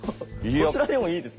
こちらでもいいですけどね。